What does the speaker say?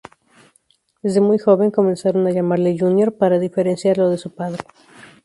Desde muy pequeño comenzaron a llamarle "Junior", para diferenciarlo de su padre.